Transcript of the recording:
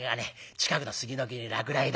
近くの杉の木に落雷だ。